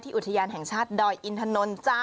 ที่อุทยานแห่งชาติดอยอินถนนจ๊ะ